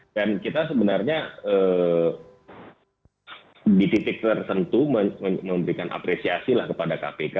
dan kita sebenarnya di titik tersentuh memberikan apresiasi kepada kpk